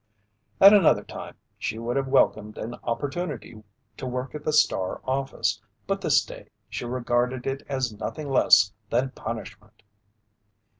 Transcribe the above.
At another time, she would have welcomed an opportunity to work at the Star office, but this day she regarded it as nothing less than punishment.